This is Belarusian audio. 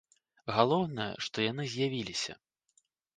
Галоўнае, што яны з'явіліся.